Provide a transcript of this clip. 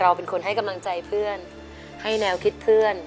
เป็นคนให้กำลังใจเพื่อนให้แนวคิดเพื่อน